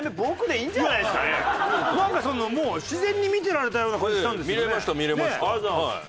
なんかそのもう自然に見てられたような感じしたんですけどね。